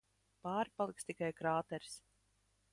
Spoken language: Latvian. Pāri paliks tikai krāteris.